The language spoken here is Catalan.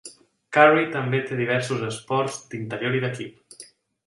Curry també té diversos esports d'interior i d'equip.